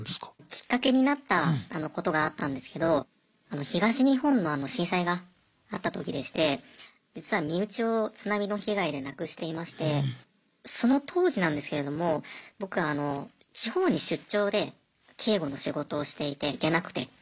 きっかけになったことがあったんですけど東日本の震災があった時でして実は身内を津波の被害で亡くしていましてその当時なんですけれども僕あの地方に出張で警護の仕事をしていて行けなくて。